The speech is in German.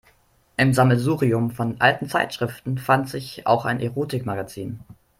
Im Sammelsurium von alten Zeitschriften fand sich auch ein Erotikmagazin.